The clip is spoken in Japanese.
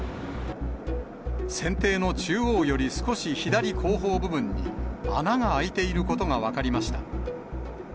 船底の中央より少し左後方部分に、穴が開いていることが分かりました。